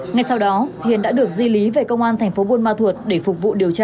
ngay sau đó hiền đã được di lý về công an tp bun ma thuột để phục vụ điều tra